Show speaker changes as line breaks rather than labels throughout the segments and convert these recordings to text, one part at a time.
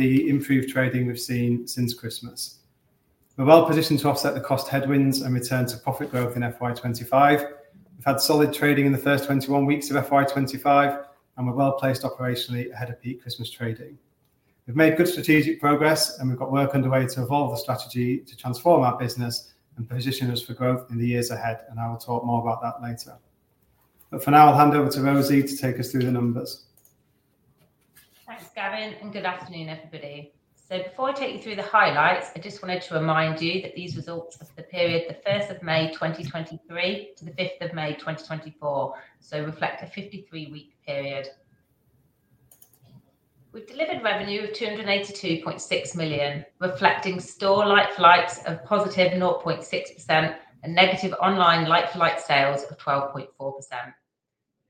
with the improved trading we've seen since Christmas. We're well positioned to offset the cost headwinds and return to profit growth in FY 2025. We've had solid trading in the first 21 weeks of FY 2025, and we're well placed operationally ahead of peak Christmas trading. We've made good strategic progress, and we've got work underway to evolve the strategy to transform our business and position us for growth in the years ahead, and I will talk more about that later. But for now, I'll hand over to Rosie to take us through the numbers.
Thanks, Gavin, and good afternoon, everybody. So before I take you through the highlights, I just wanted to remind you that these results are for the period the first of May 2023 to the fifth of May 2024, so reflect a 53-week period. We've delivered revenue of 282.6 million, reflecting store like-for-like sales of positive 0.6% and negative online like-for-like sales of 12.4%.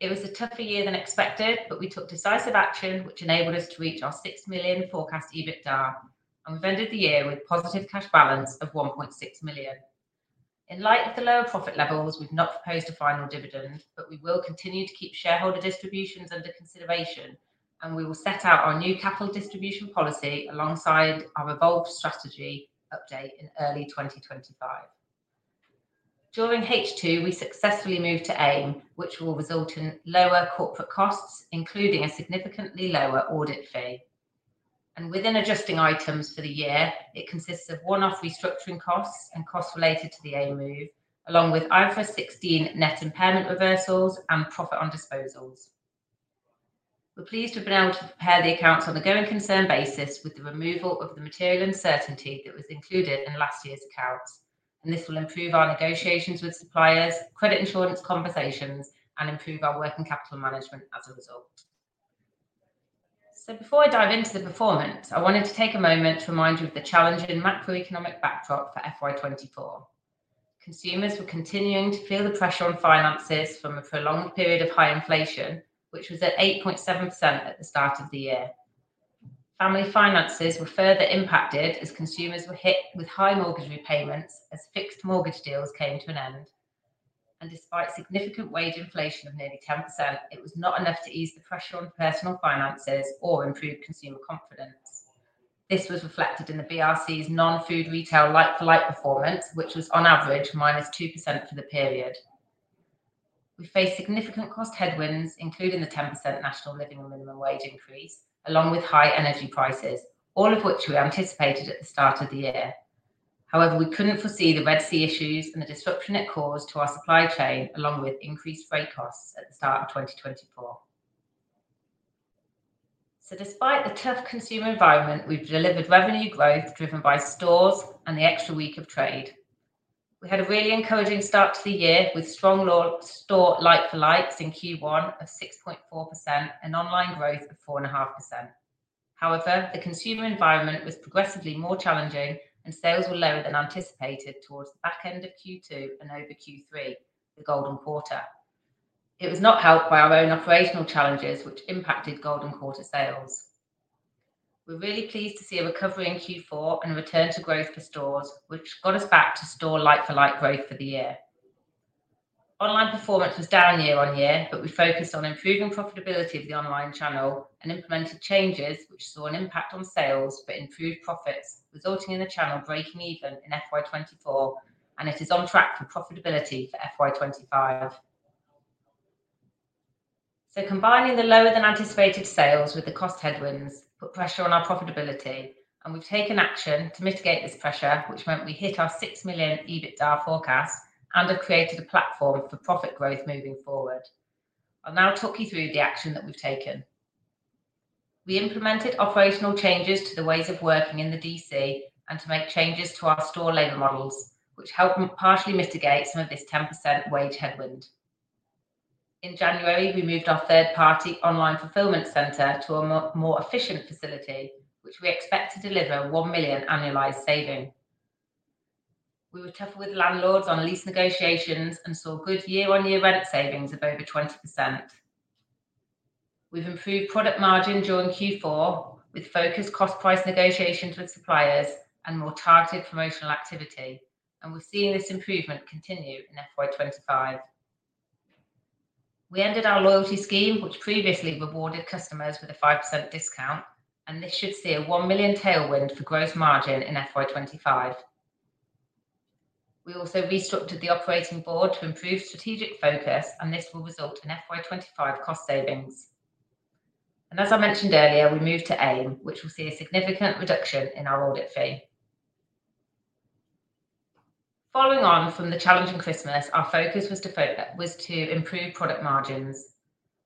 It was a tougher year than expected, but we took decisive action, which enabled us to reach our 6 million forecast EBITDA, and we've ended the year with positive cash balance of 1.6 million. In light of the lower profit levels, we've not proposed a final dividend, but we will continue to keep shareholder distributions under consideration, and we will set out our new capital distribution policy alongside our evolved strategy update in early 2025. During H2, we successfully moved to AIM, which will result in lower corporate costs, including a significantly lower audit fee. And within adjusting items for the year, it consists of one-off restructuring costs and costs related to the AIM move, along with IFRS 16 net impairment reversals and profit on disposals. We're pleased to have been able to prepare the accounts on a going concern basis with the removal of the material uncertainty that was included in last year's accounts, and this will improve our negotiations with suppliers, credit insurance conversations, and improve our working capital management as a result. So before I dive into the performance, I wanted to take a moment to remind you of the challenging macroeconomic backdrop for FY 2024. Consumers were continuing to feel the pressure on finances from a prolonged period of high inflation, which was at 8.7% at the start of the year. Family finances were further impacted as consumers were hit with high mortgage repayments as fixed mortgage deals came to an end. Despite significant wage inflation of nearly 10%, it was not enough to ease the pressure on personal finances or improve consumer confidence. This was reflected in the BRC's non-food retail like-for-like performance, which was on average -2% for the period. We faced significant cost headwinds, including the 10% National Living Minimum Wage increase, along with high energy prices, all of which we anticipated at the start of the year. However, we couldn't foresee the Red Sea issues and the disruption it caused to our supply chain, along with increased freight costs at the start of 2024. So despite the tough consumer environment, we've delivered revenue growth driven by stores and the extra week of trade. We had a really encouraging start to the year, with strong store like-for-likes in Q1 of 6.4% and online growth of 4.5%. However, the consumer environment was progressively more challenging, and sales were lower than anticipated towards the back end of Q2 and over Q3, the Golden Quarter. It was not helped by our own operational challenges, which impacted Golden Quarter sales. We're really pleased to see a recovery in Q4 and a return to growth for stores, which got us back to store like-for-like growth for the year. Online performance was down year-on-year, but we focused on improving profitability of the online channel and implemented changes which saw an impact on sales but improved profits, resulting in the channel breaking even in FY 2024, and it is on track for profitability for FY 2025. So combining the lower than anticipated sales with the cost headwinds put pressure on our profitability, and we've taken action to mitigate this pressure, which meant we hit our £6 million EBITDA forecast and have created a platform for profit growth moving forward. I'll now talk you through the action that we've taken. We implemented operational changes to the ways of working in the DC and to make changes to our store labor models, which helped partially mitigate some of this 10% wage headwind. In January, we moved our third-party online fulfillment center to a more efficient facility, which we expect to deliver a 1 million annualized saving. We were tough with landlords on lease negotiations and saw good year-on-year rent savings of over 20%. We've improved product margin during Q4 with focused cost price negotiations with suppliers and more targeted promotional activity, and we're seeing this improvement continue in FY 2025. We ended our loyalty scheme, which previously rewarded customers with a 5% discount, and this should see a 1 million tailwind for gross margin in FY 2025. We also restructured the operating board to improve strategic focus, and this will result in FY 2025 cost savings. And as I mentioned earlier, we moved to AIM, which will see a significant reduction in our audit fee. Following on from the challenging Christmas, our focus was to Was to improve product margins.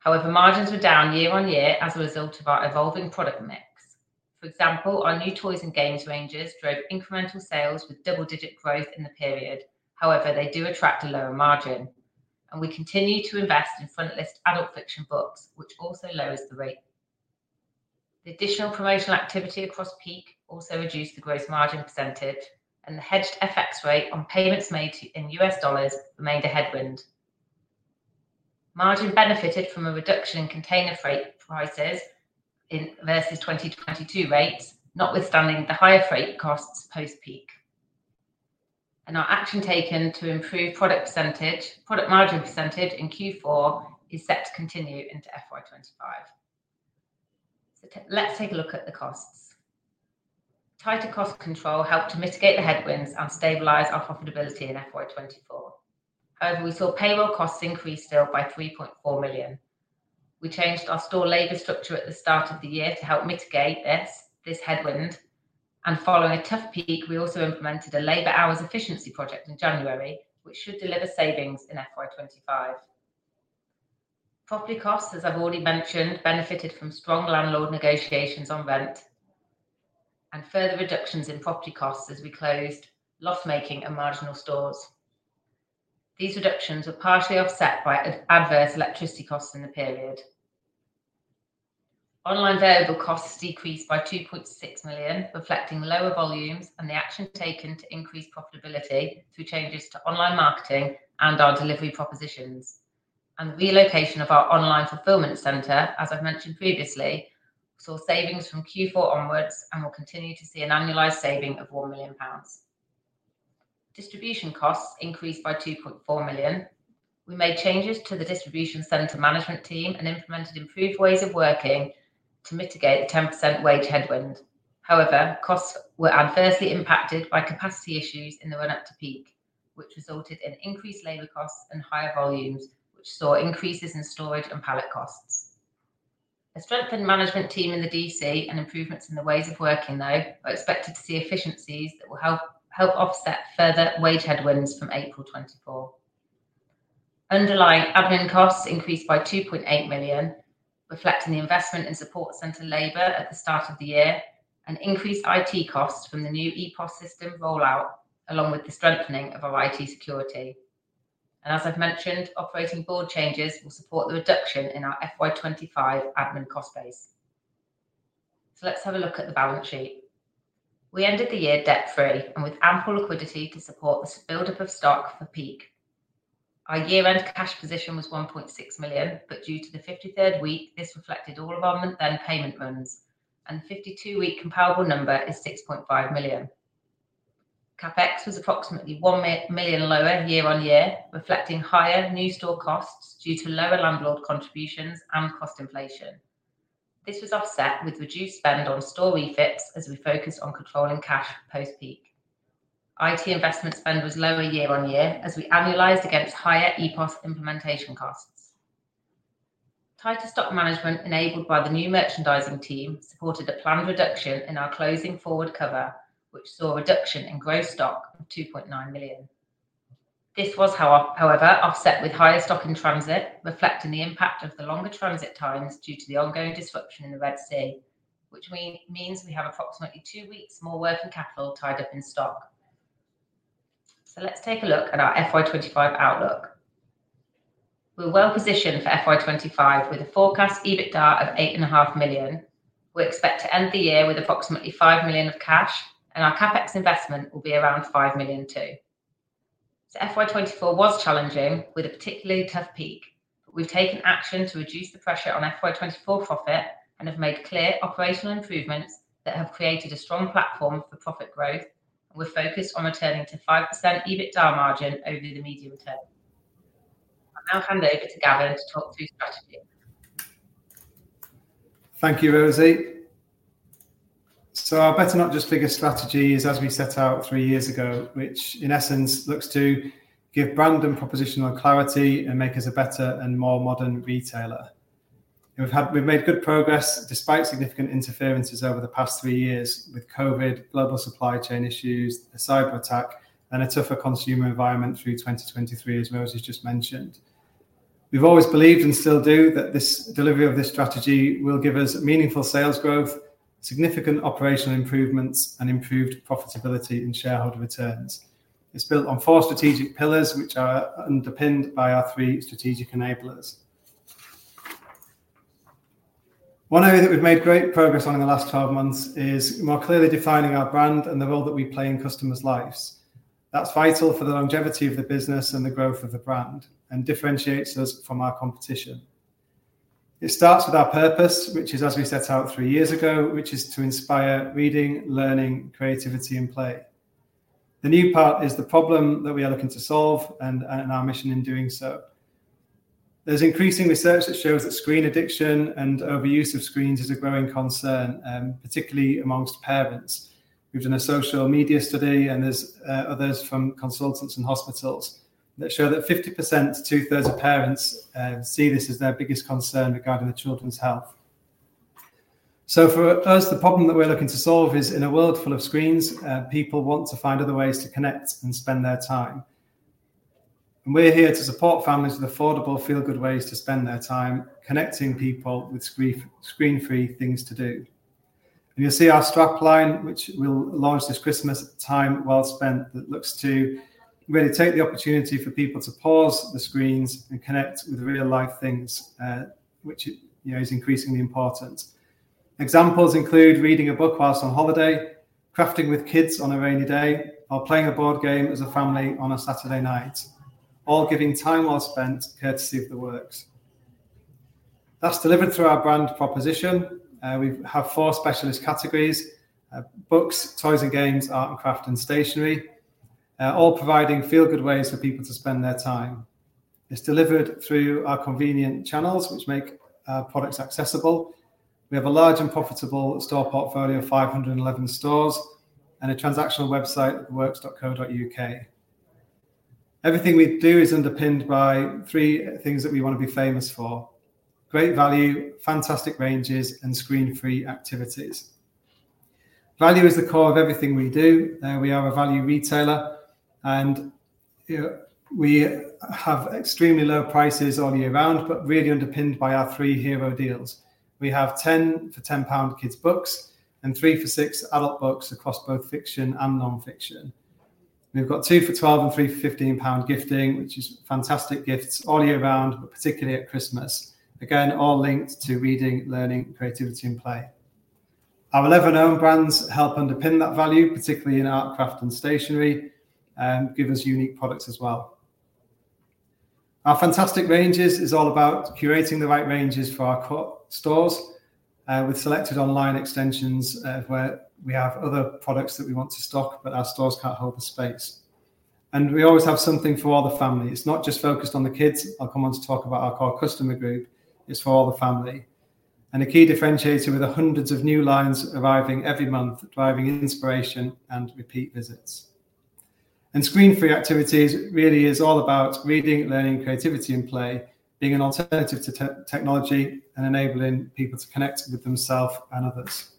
However, margins were down year-on-year as a result of our evolving product mix. For example, our new toys and games ranges drove incremental sales with double-digit growth in the period. However, they do attract a lower margin, and we continue to invest in frontlist adult fiction books, which also lowers the rate. The additional promotional activity across peak also reduced the gross margin percentage, and the hedged FX rate on payments made in US dollars remained a headwind. Margin benefited from a reduction in container freight prices in versus 2022 rates, notwithstanding the higher freight costs post-peak. Our action taken to improve product margin percentage in Q4 is set to continue into FY 2025. Let's take a look at the costs. Tighter cost control helped to mitigate the headwinds and stabilize our profitability in FY 2024. However, we saw payroll costs increase still by 3.4 million. We changed our store labor structure at the start of the year to help mitigate this headwind, and following a tough peak, we also implemented a labor hours efficiency project in January, which should deliver savings in FY 2025. Property costs, as I've already mentioned, benefited from strong landlord negotiations on rent and further reductions in property costs as we closed loss-making and marginal stores. These reductions were partially offset by adverse electricity costs in the period. Online variable costs decreased by 2.6 million, reflecting lower volumes and the action taken to increase profitability through changes to online marketing and our delivery propositions. The relocation of our online fulfillment center, as I've mentioned previously, saw savings from Q4 onwards and will continue to see an annualized saving of 1 million pounds. Distribution costs increased by 2.4 million. We made changes to the distribution center management team and implemented improved ways of working to mitigate the 10% wage headwind. However, costs were adversely impacted by capacity issues in the run-up to peak, which resulted in increased labor costs and higher volumes, which saw increases in storage and pallet costs. A strengthened management team in the DC and improvements in the ways of working, though, are expected to see efficiencies that will help offset further wage headwinds from April 2024. Underlying admin costs increased by 2.8 million, reflecting the investment in support center labor at the start of the year and increased IT costs from the new EPOS system rollout, along with the strengthening of our IT security. And as I've mentioned, operating board changes will support the reduction in our FY 2025 admin cost base. Let's have a look at the balance sheet. We ended the year debt-free and with ample liquidity to support the buildup of stock for peak. Our year-end cash position was 1.6 million, but due to the 53rd week, this reflected all of our then payment runs, and 52 week comparable number is 6.5 million. CapEx was approximately 1 million lower year-on-year, reflecting higher new store costs due to lower landlord contributions and cost inflation. This was offset with reduced spend on store refits as we focused on controlling cash post-peak. IT investment spend was lower year-on-year as we annualized against higher EPOS implementation costs. Tighter stock management, enabled by the new merchandising team, supported a planned reduction in our closing forward cover, which saw a reduction in gross stock of 2.9 million. This was how, however, offset with higher stock in transit, reflecting the impact of the longer transit times due to the ongoing disruption in the Red Sea, which means we have approximately two weeks more working capital tied up in stock. So let's take a look at our FY 2025 outlook. We're well positioned for FY 2025, with a forecast EBITDA of 8.5 million. We expect to end the year with approximately 5 million of cash, and our CapEx investment will be around 5 million, too. So FY 2024 was challenging, with a particularly tough peak. We've taken action to reduce the pressure on FY 2024 profit and have made clear operational improvements that have created a strong platform for profit growth, and we're focused on returning to 5% EBITDA margin over the medium term. I'll now hand over to Gavin to talk through strategy.
Thank you, Rosie. So our Better Not Just Bigger strategy, as we set out three years ago, which in essence looks to give brand and propositional clarity and make us a better and more modern retailer. We've made good progress, despite significant interferences over the past three years with COVID, global supply chain issues, a cyberattack, and a tougher consumer environment through 2023, as Rosie's just mentioned. We've always believed, and still do, that this delivery of this strategy will give us meaningful sales growth, significant operational improvements, and improved profitability and shareholder returns. It's built on four strategic pillars, which are underpinned by our three strategic enablers. One area that we've made great progress on in the last 12 months is more clearly defining our brand and the role that we play in customers' lives. That's vital for the longevity of the business and the growth of the brand and differentiates us from our competition. It starts with our purpose, which is as we set out three years ago, which is to inspire reading, learning, creativity, and play. The new part is the problem that we are looking to solve and our mission in doing so. There's increasing research that shows that screen addiction and overuse of screens is a growing concern, particularly among parents. We've done a social media study, and there's others from consultants and hospitals that show that 50%, two-thirds of parents see this as their biggest concern regarding their children's health. So for us, the problem that we're looking to solve is, in a world full of screens, people want to find other ways to connect and spend their time. We're here to support families with affordable, feel-good ways to spend their time, connecting people with screen-free things to do. You'll see our strapline, which we'll launch this Christmas, "Time Well Spent," that looks to really take the opportunity for people to pause the screens and connect with real-life things, which, you know, is increasingly important. Examples include reading a book while on holiday, crafting with kids on a rainy day, or playing a board game as a family on a Saturday night, all giving time well spent, courtesy of The Works. That's delivered through our brand proposition. We have four specialist categories: books, toys and games, arts and crafts, and stationery. All providing feel-good ways for people to spend their time. It's delivered through our convenient channels, which make our products accessible. We have a large and profitable store portfolio, 511 stores, and a transactional website, theworks.co.uk. Everything we do is underpinned by three things that we want to be famous for: great value, fantastic ranges, and screen-free activities. Value is the core of everything we do. We are a value retailer, and, you know, we have extremely low prices all year round, but really underpinned by our three hero deals. We have 10 for 10 pound kids' books and 3 for 6 adult books across both fiction and non-fiction. We've got 2 for 12 and 3 for GBP 15 gifting, which is fantastic gifts all year round, but particularly at Christmas. Again, all linked to reading, learning, creativity, and play. Our 11 own brands help underpin that value, particularly in art, craft, and stationery, and give us unique products as well Our fantastic ranges is all about curating the right ranges for our stores with selected online extensions, where we have other products that we want to stock, but our stores can't hold the space, and we always have something for all the family. It's not just focused on the kids. I'll come on to talk about our core customer group. It's for all the family, and a key differentiator with the hundreds of new lines arriving every month, driving inspiration and repeat visits, and screen-free activities really is all about reading, learning, creativity, and play, being an alternative to technology and enabling people to connect with themselves and others,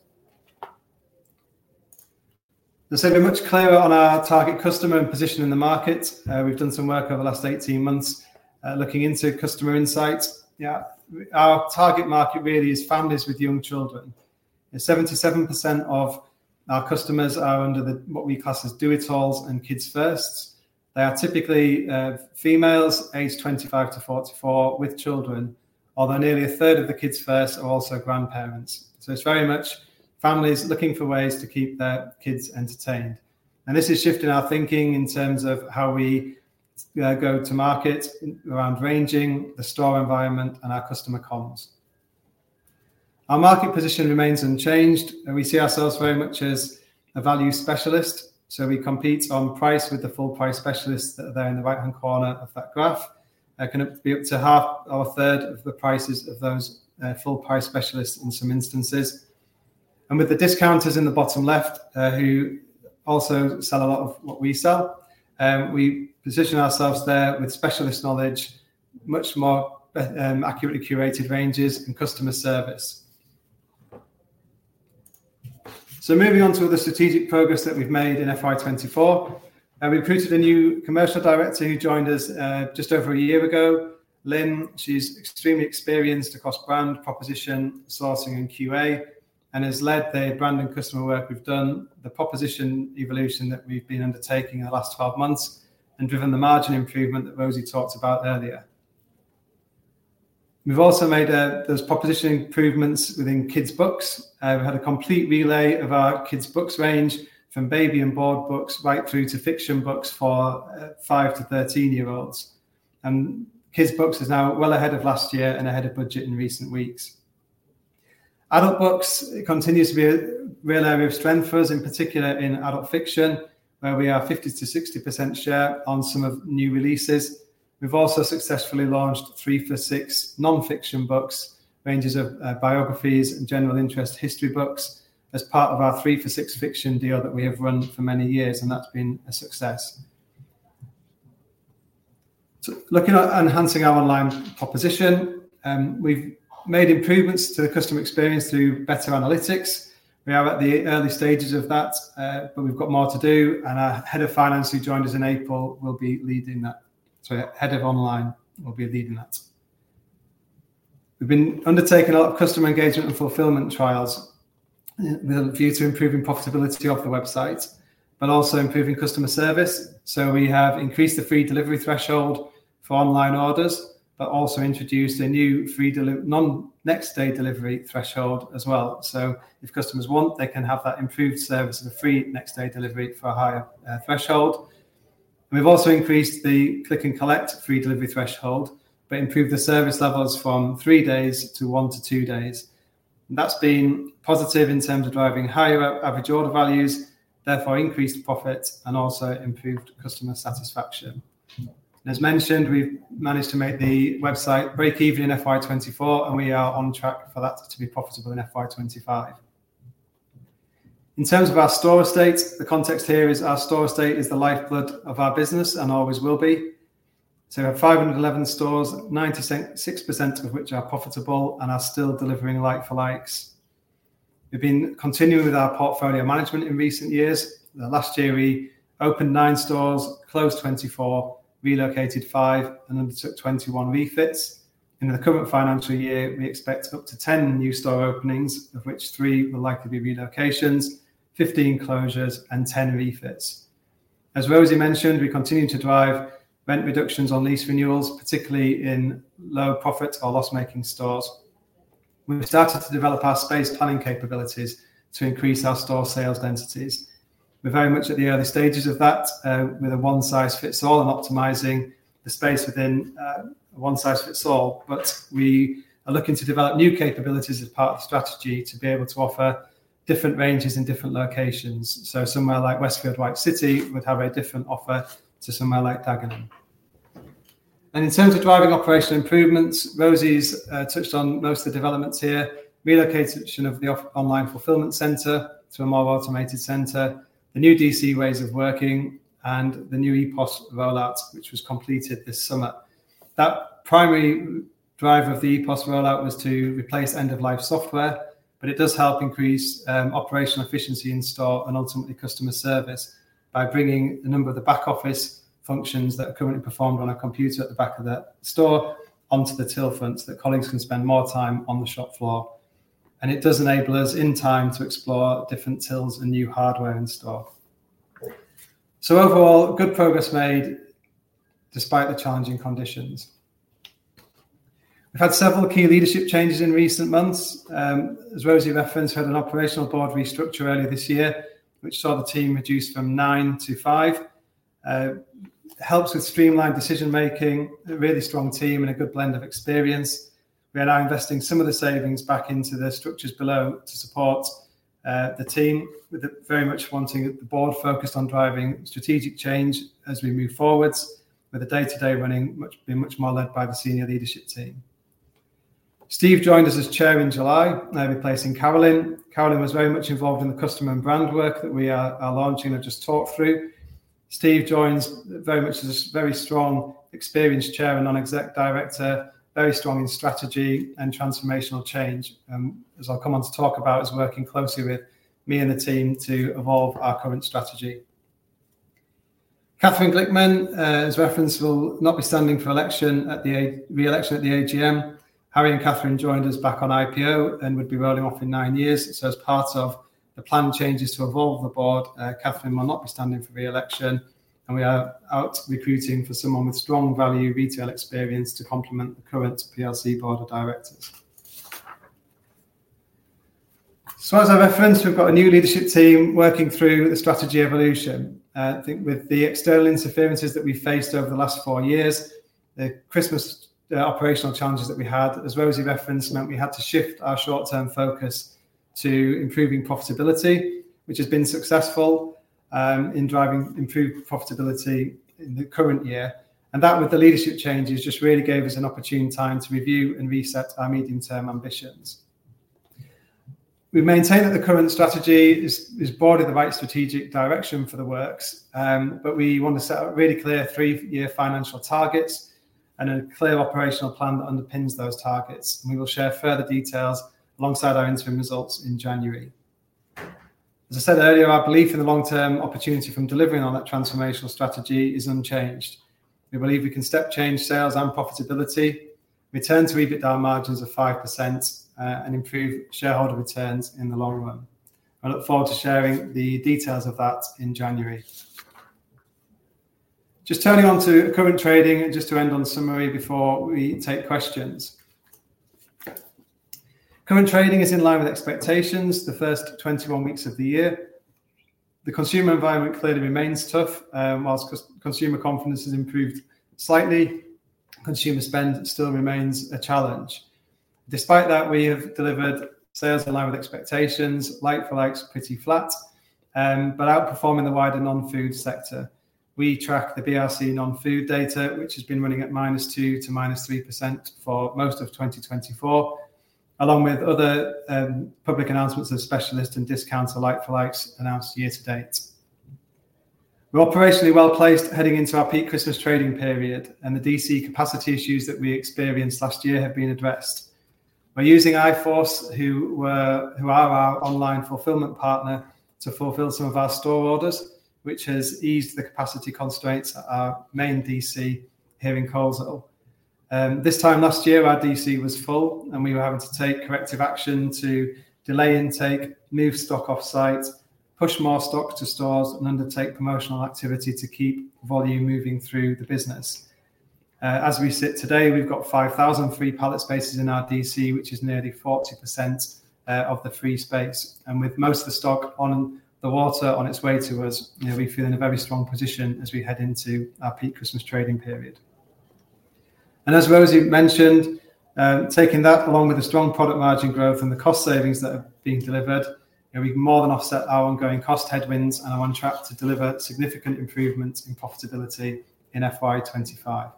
so we're much clearer on our target customer and position in the market. We've done some work over the last eighteen months, looking into customer insights. Yeah, our target market really is families with young children. 77% of our customers are under the what we class as Do-It-Alls and Kids First. They are typically females aged 25-44 with children, although nearly a third of the Kids First are also grandparents. So it's very much families looking for ways to keep their kids entertained. And this is shifting our thinking in terms of how we go to market around ranging, the store environment, and our customer comms. Our market position remains unchanged, and we see ourselves very much as a value specialist, so we compete on price with the full price specialists that are there in the right-hand corner of that graph. Can be up to half or a third of the prices of those full price specialists in some instances. With the discounters in the bottom left, who also sell a lot of what we sell, we position ourselves there with specialist knowledge, much more accurately curated ranges and customer service. Moving on to the strategic progress that we've made in FY 2024, we recruited a new commercial director who joined us just over a year ago, Lynn. She's extremely experienced across brand, proposition, sourcing, and QA and has led the brand and customer work we've done, the proposition evolution that we've been undertaking in the last 12 months and driven the margin improvement that Rosie talked about earlier. We've also made those proposition improvements within kids' books. We've had a complete relay of our kids' books range, from baby and board books right through to fiction books for five to 13-year-olds. Kids' books is now well ahead of last year and ahead of budget in recent weeks. Adult books continues to be a real area of strength for us, in particular in adult fiction, where we are 50-60% share on some of new releases. We've also successfully launched three for six non-fiction books, ranges of biographies and general interest history books as part of our three for six fiction deal that we have run for many years, and that's been a success. Looking at enhancing our online proposition, we've made improvements to the customer experience through better analytics. We are at the early stages of that, but we've got more to do, and our head of online, who joined us in April, will be leading that. We've been undertaking a lot of customer engagement and fulfillment trials with a view to improving profitability of the website, but also improving customer service. So we have increased the free delivery threshold for online orders, but also introduced a new free non-next day delivery threshold as well. So if customers want, they can have that improved service and free next day delivery for a higher threshold. We've also increased the click and collect free delivery threshold, but improved the service levels from three days to one to two days. That's been positive in terms of driving higher average order values, therefore increased profit and also improved customer satisfaction. As mentioned, we've managed to make the website break even in FY 2024, and we are on track for that to be profitable in FY 2025. In terms of our store estate, the context here is our store estate is the lifeblood of our business and always will be. So we have 511 stores, 96% of which are profitable and are still delivering like-for-likes. We've been continuing with our portfolio management in recent years. Last year, we opened nine stores, closed 24, relocated five, and undertook 21 refits. In the current financial year, we expect up to 10 new store openings, of which three will likely be relocations, 15 closures, and 10 refits. As Rosie mentioned, we continue to drive rent reductions on lease renewals, particularly in lower profit or loss-making stores. We've started to develop our space planning capabilities to increase our store sales densities. We're very much at the early stages of that, with a one size fits all and optimizing the space within, one size fits all. But we are looking to develop new capabilities as part of the strategy to be able to offer different ranges in different locations. So somewhere like Westfield White City would have a different offer to somewhere like Dagenham. And in terms of driving operational improvements, Rosie's touched on most of the developments here. Relocation of the online fulfillment center to a more automated center, the new DC ways of working, and the new EPOS rollout, which was completed this summer. That primary drive of the EPOS rollout was to replace end-of-life software, but it does help increase operational efficiency in store and ultimately customer service by bringing a number of the back office functions that are currently performed on a computer at the back of the store onto the till front, so that colleagues can spend more time on the shop floor. And it does enable us, in time, to explore different tills and new hardware in store. So overall, good progress made despite the challenging conditions. We've had several key leadership changes in recent months. As Rosie referenced, we had an operational board restructure earlier this year, which saw the team reduce from nine to five. Helps with streamlined decision making, a really strong team and a good blend of experience. We are now investing some of the savings back into the structures below to support the team, with it very much wanting the board focused on driving strategic change as we move forward, with the day-to-day running being much more led by the senior leadership team. Steve joined us as Chair in July, now replacing Carolyn. Carolyn was very much involved in the customer and brand work that we are launching and I just talked through. Steve joins very much as a very strong, experienced Chair and non-exec director, very strong in strategy and transformational change, as I'll come on to talk about, is working closely with me and the team to evolve our current strategy. Catherine Glickman, as referenced, will not be standing for re-election at the AGM. Harry and Catherine joined us back on IPO and would be rolling off in nine years. So as part of the planned changes to evolve the board, Catherine will not be standing for re-election, and we are out recruiting for someone with strong value retail experience to complement the current PLC board of directors. So as I referenced, we've got a new leadership team working through the strategy evolution. I think with the external interferences that we faced over the last four years, the Christmas, the operational challenges that we had, as Rosie referenced, meant we had to shift our short-term focus to improving profitability, which has been successful, in driving improved profitability in the current year. And that, with the leadership changes, just really gave us an opportune time to review and reset our medium-term ambitions. We've maintained that the current strategy is broadly the right strategic direction for The Works, but we want to set out really clear three-year financial targets and a clear operational plan that underpins those targets. And we will share further details alongside our interim results in January. As I said earlier, our belief in the long-term opportunity from delivering on that transformational strategy is unchanged. We believe we can step change sales and profitability, return to EBITDA margins of 5%, and improve shareholder returns in the long run. I look forward to sharing the details of that in January. Just turning on to current trading, just to end on summary before we take questions. Current trading is in line with expectations the first 21 weeks of the year. The consumer environment clearly remains tough. Whilst consumer confidence has improved slightly, consumer spend still remains a challenge. Despite that, we have delivered sales in line with expectations, like-for-likes pretty flat, but outperforming the wider non-food sector. We track the BRC non-food data, which has been running at -2% to -3% for most of 2024, along with other public announcements of specialist and discounter like-for-likes announced year to date. We're operationally well-placed heading into our peak Christmas trading period, and the DC capacity issues that we experienced last year have been addressed. We're using iForce, who are our online fulfillment partner, to fulfill some of our store orders, which has eased the capacity constraints at our main DC here in Coleshill. This time last year, our DC was full, and we were having to take corrective action to delay intake, move stock off-site, push more stock to stores, and undertake promotional activity to keep volume moving through the business. As we sit today, we've got 5,000 free pallet spaces in our DC, which is nearly 40% of the free space, and with most of the stock on the water on its way to us, you know, we feel in a very strong position as we head into our peak Christmas trading period, and as Rosie mentioned, taking that along with the strong product margin growth and the cost savings that have been delivered, you know, we've more than offset our ongoing cost headwinds and are on track to deliver significant improvements in profitability in FY 2025.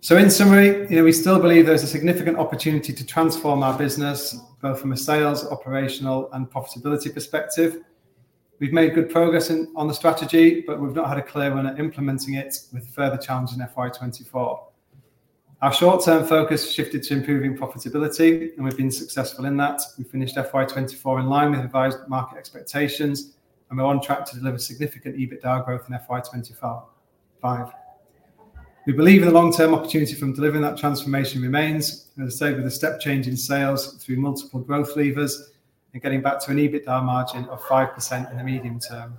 So in summary, you know, we still believe there's a significant opportunity to transform our business, both from a sales, operational, and profitability perspective. We've made good progress in, on the strategy, but we've not had a clear run at implementing it with further challenges in FY 2024. Our short-term focus shifted to improving profitability, and we've been successful in that. We finished FY 2024 in line with advised market expectations, and we're on track to deliver significant EBITDA growth in FY 2025. We believe in the long-term opportunity from delivering that transformation remains, as I say, with a step change in sales through multiple growth levers and getting back to an EBITDA margin of 5% in the medium term.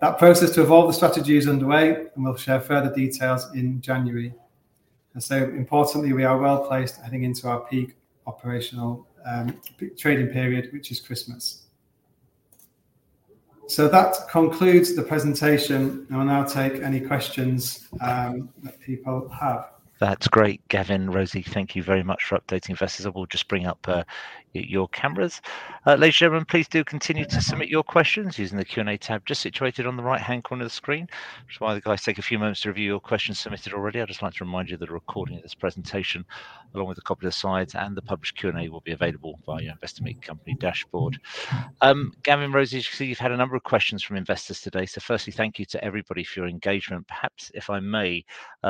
That process to evolve the strategy is underway, and we'll share further details in January. And so importantly, we are well placed heading into our peak operational, peak trading period, which is Christmas. That concludes the presentation. I will now take any questions that people have.
That's great, Gavin, Rosie, thank you very much for updating investors. I will just bring up your cameras. Ladies and gentlemen, please do continue to submit your questions using the Q&A tab just situated on the right-hand corner of the screen. Just while the guys take a few moments to review your questions submitted already, I'd just like to remind you that a recording of this presentation, along with a copy of the slides and the published Q&A, will be available via Investor Meet Company dashboard. Gavin, Rosie, I see you've had a number of questions from investors today. So firstly, thank you to everybody for your engagement. Perhaps, if I may,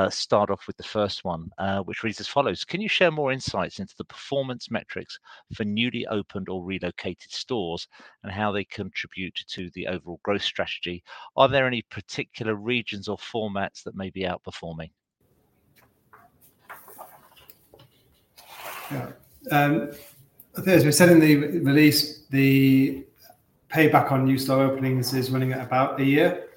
start off with the first one, which reads as follows: Can you share more insights into the performance metrics for newly opened or relocated stores and how they contribute to the overall growth strategy? Are there any particular regions or formats that may be outperforming?
Yeah. As we said in the, in the release, the payback on new store openings is running at about a year,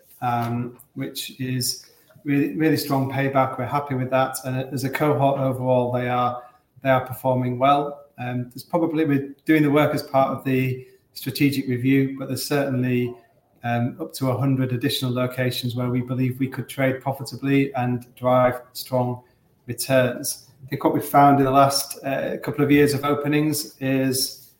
which is really, really strong payback. We're happy with that, and as a cohort overall, they are, they are performing well. There's probably... We're doing the work as part of the strategic review, but there's certainly, up to 100 additional locations where we believe we could trade profitably and drive strong returns. I think what we've found in the last, couple of years of openings is,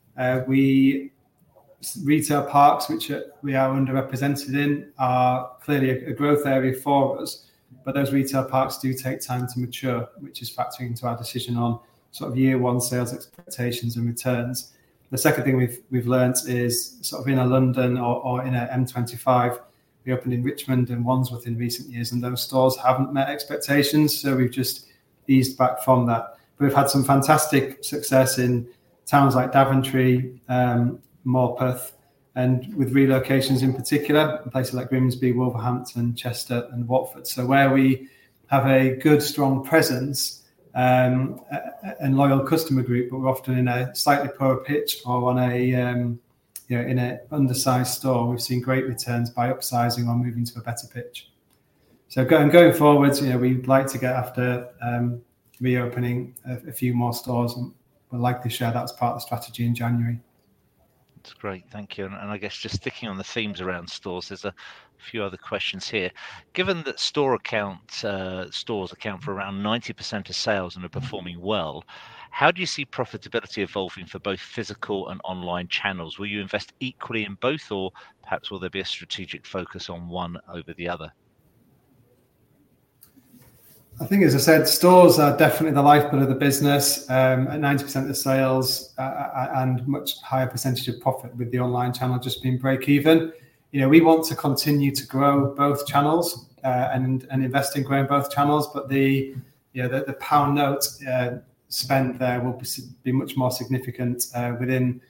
retail parks, which, we are underrepresented in, are clearly a, a growth area for us, but those retail parks do take time to mature, which is factoring into our decision on sort of year one sales expectations and returns. The second thing we've learnt is, sort of in a London or in a M25, we opened in Richmond and Wandsworth in recent years, and those stores haven't met expectations, so we've just eased back from that. But we've had some fantastic success in towns like Daventry, Morpeth, and with relocations in particular, in places like Grimsby, Wolverhampton, Chester and Watford. So where we have a good, strong presence, and loyal customer group, but we're often in a slightly poorer pitch or on a, you know, in an undersized store, we've seen great returns by upsizing or moving to a better pitch. Going forwards, you know, we'd like to get after reopening a few more stores, and we'd like to share that as part of the strategy in January.
That's great, thank you. And I guess just sticking on the themes around stores, there's a few other questions here. Given that stores account for around 90% of sales and are performing well, how do you see profitability evolving for both physical and online channels? Will you invest equally in both, or perhaps will there be a strategic focus on one over the other?
I think, as I said, stores are definitely the lifeblood of the business. At 90% of the sales, and much higher percentage of profit, with the online channel just being break even. You know, we want to continue to grow both channels, and invest in growing both channels, but you know, the pound notes spent there will be much more significant within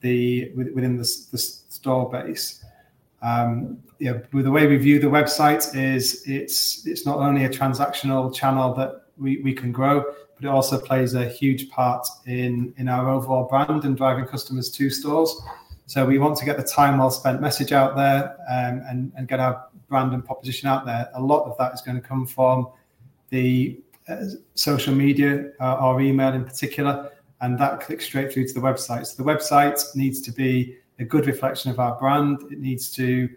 the store base. Well, the way we view the website is it's not only a transactional channel that we can grow, but it also plays a huge part in our overall brand and driving customers to stores. So we want to get the Time Well Spent message out there, and get our brand and proposition out there. A lot of that is gonna come from the social media or email in particular, and that clicks straight through to the website. The website needs to be a good reflection of our brand. It needs to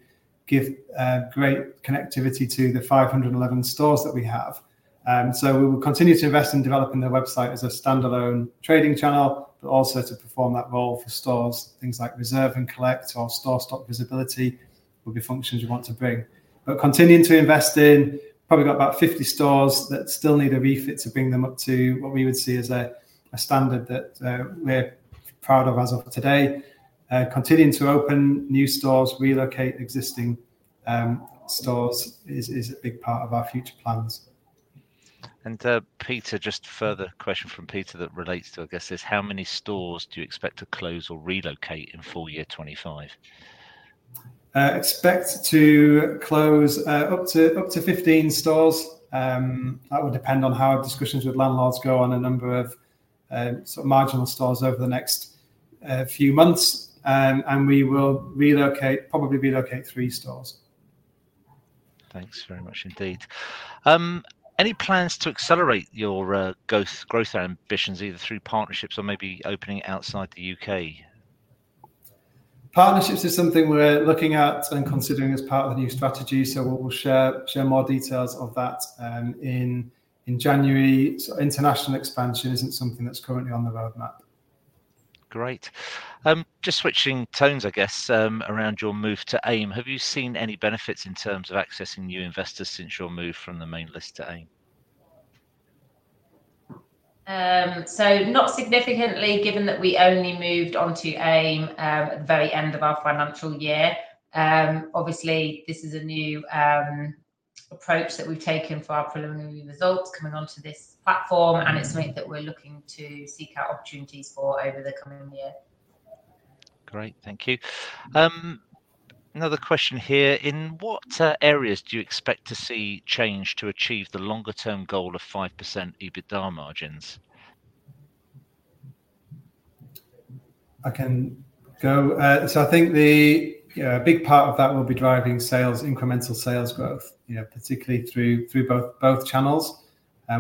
give great connectivity to the 511 stores that we have. So we will continue to invest in developing the website as a standalone trading channel, but also to perform that role for stores. Things like reserve and collect or store stock visibility will be functions we want to bring. Continuing to invest in, probably got about 50 stores that still need a refit to bring them up to what we would see as a standard that we're proud of as of today. Continuing to open new stores, relocate existing stores, is a big part of our future plans.
Peter, just a further question from Peter that relates to, I guess, this: How many stores do you expect to close or relocate in full-year 2025?
Expect to close up to 15 stores. That would depend on how our discussions with landlords go on a number of sort of marginal stores over the next few months, and we will probably relocate three stores.
Thanks very much indeed. Any plans to accelerate your growth ambitions, either through partnerships or maybe opening outside the UK?
Partnerships is something we're looking at and considering as part of the new strategy, so we will share more details of that in January. International expansion isn't something that's currently on the roadmap.
Great. Just switching tones, I guess, around your move to AIM. Have you seen any benefits in terms of accessing new investors since your move from the Main List to AIM?
Not significantly, given that we only moved on to AIM at the very end of our financial year. Obviously, this is a new approach that we've taken for our preliminary results coming onto this platform, and it's something that we're looking to seek out opportunities for over the coming year.
Great, thank you. Another question here: In what areas do you expect to see change to achieve the longer term goal of 5% EBITDA margins?...
I can go. So I think the big part of that will be driving sales, incremental sales growth, you know, particularly through both channels.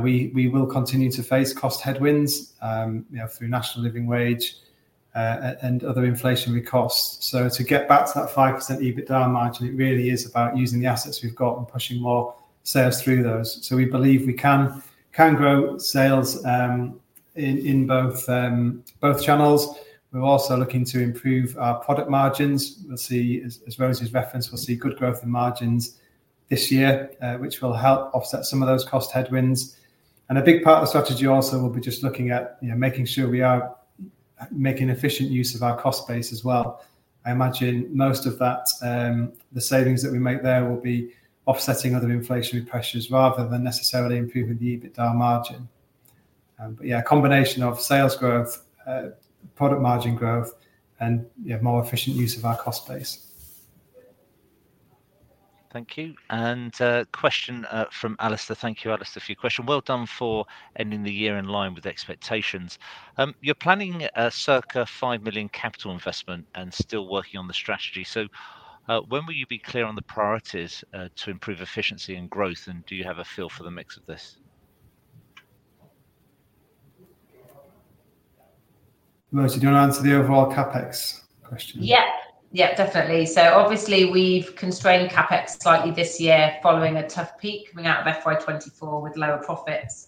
We will continue to face cost headwinds, you know, through National Living Wage and other inflationary costs. So to get back to that 5% EBITDA margin, it really is about using the assets we've got and pushing more sales through those. So we believe we can grow sales in both channels. We're also looking to improve our product margins. We'll see, as Rosie's referenced, we'll see good growth in margins this year, which will help offset some of those cost headwinds. And a big part of the strategy also will be just looking at, you know, making sure we are making efficient use of our cost base as well. I imagine most of that, the savings that we make there will be offsetting other inflationary pressures rather than necessarily improving the EBITDA margin. But yeah, a combination of sales growth, product margin growth and, yeah, more efficient use of our cost base.
Thank you. And question from Alistair. Thank you, Alistair, for your question. Well done for ending the year in line with expectations. You're planning a circa 5 million capital investment and still working on the strategy. So, when will you be clear on the priorities to improve efficiency and growth, and do you have a feel for the mix of this?
Rosie, do you want to answer the overall CapEx question?
Yeah. Yeah, definitely. So obviously, we've constrained CapEx slightly this year following a tough peak coming out of FY 2024 with lower profits.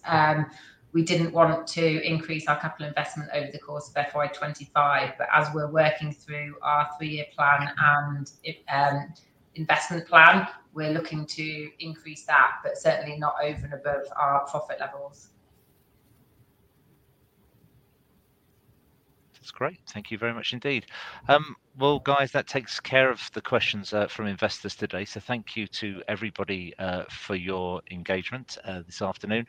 We didn't want to increase our capital investment over the course of FY 2025, but as we're working through our three-year plan and, investment plan, we're looking to increase that, but certainly not over and above our profit levels.
That's great. Thank you very much indeed. Well, guys, that takes care of the questions from investors today. So thank you to everybody for your engagement this afternoon.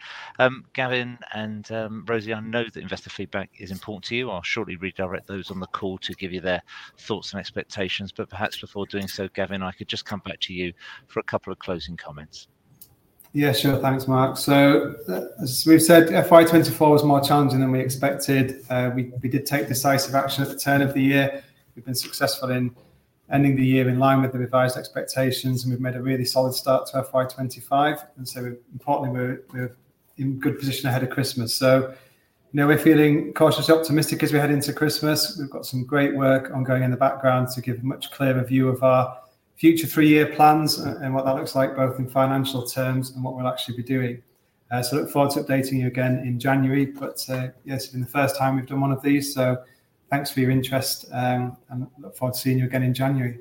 Gavin and Rosie, I know that investor feedback is important to you. I'll shortly redirect those on the call to give you their thoughts and expectations. But perhaps before doing so, Gavin, I could just come back to you for a couple of closing comments.
Yeah, sure. Thanks, Mark. So as we've said, FY 2024 was more challenging than we expected. We did take decisive action at the turn of the year. We've been successful in ending the year in line with the revised expectations, and we've made a really solid start to FY 2025, and so importantly, we're in good position ahead of Christmas. So now we're feeling cautiously optimistic as we head into Christmas. We've got some great work ongoing in the background to give a much clearer view of our future three-year plans and what that looks like, both in financial terms and what we'll actually be doing. So look forward to updating you again in January, but yes, it's been the first time we've done one of these, so thanks for your interest, and look forward to seeing you again in January.